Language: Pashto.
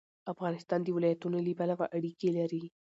افغانستان د ولایتونو له پلوه اړیکې لري.